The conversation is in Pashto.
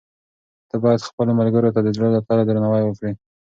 ته باید خپلو ملګرو ته د زړه له تله درناوی وکړې.